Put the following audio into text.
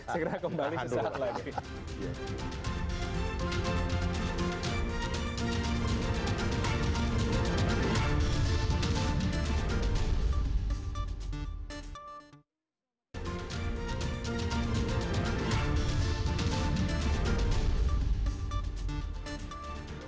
segera kembali ke saat lain